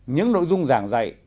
những nội dung giảng dạy